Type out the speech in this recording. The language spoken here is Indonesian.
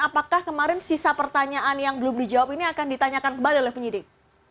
apakah kemarin sisa pertanyaan yang belum dijawab ini akan ditanyakan kembali oleh penyidik